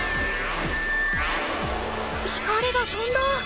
光がとんだ！